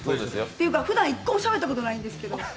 っていうか、ふだん、一個もしゃべったことないんですけど。